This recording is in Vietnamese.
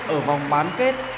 ở vòng bán kết